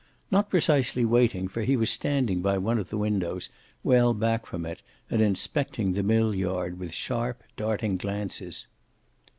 Not precisely waiting, for he was standing by one of the windows, well back from it, and inspecting the mill yard with sharp, darting glances.